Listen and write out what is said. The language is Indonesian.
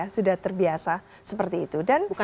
sudah terbiasa seperti itu